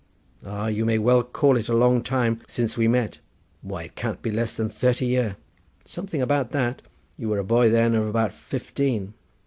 Ah, you may well call it a long time since we met—why, it can't be less than thirty year." "Something about that—you were a boy then of about fifteen."